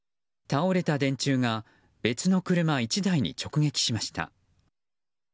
倒れた電柱が別の車１台に直撃しました。